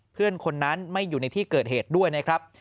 เพื่อนคนนั้นไม่อยู่ในที่เกิดเหตุด้วยนะครับ